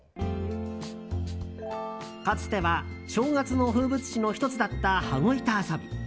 かつては正月の風物詩の１つだった羽子板遊び。